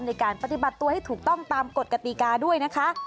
ในการปฏิบัติตัวให้ถูกต้องตามกฎกติกาด้วยนะคะ